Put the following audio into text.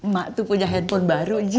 mak tuh punya handphone baru ji